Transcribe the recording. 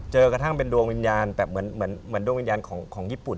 เจอกระทั่งเป็นดวงวิญญาณแบบเหมือนดวงวิญญาณของญี่ปุ่น